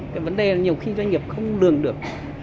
cái vấn đề là nhiều khi doanh nghiệp không lường được